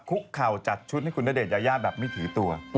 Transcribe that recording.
คุกเข่าจัดชุดให้คุณณเดชนยายาแบบไม่ถือตัว